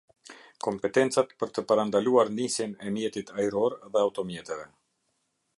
Kompetencat për të parandaluar nisjen e mjetit ajror dhe automjeteve.